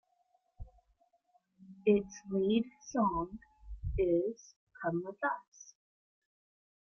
Its lead song is "Come with Us".